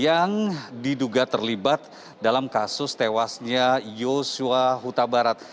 yang diduga terlibat dalam kasus tewasnya yosua huta barat